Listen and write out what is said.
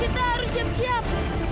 kita harus siap siap